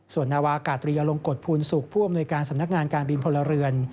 ส่วนนาวากาตรีอลงกฎภูลศุกร์ผู้อำนวยการสำนักงานการบินพลเรือน